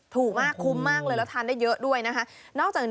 ถูกมากคุ้มมากเลยแล้วทานได้เยอะด้วยนะคะ